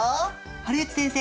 堀内先生